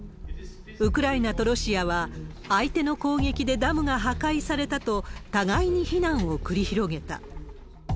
ウクライナとロシアは、相手の攻撃でダムが破壊されたと、互いに非難を繰り広げた。